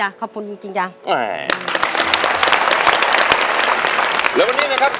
๑สันบาทใช่เหรอครับ